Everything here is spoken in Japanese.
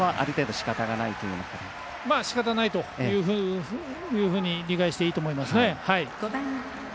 しかたないというふうに理解していいと思いますね。